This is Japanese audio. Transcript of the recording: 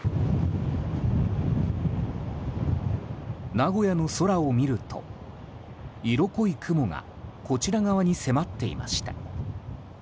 名古屋の空を見ると色濃い雲がこちら側に迫っていました。